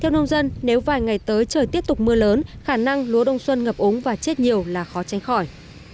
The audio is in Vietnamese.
theo nông dân nếu vài ngày tới trời tiếp tục mưa lớn khả năng lúa đông xuân ngập ống và chết nhiều là khó tránh khỏi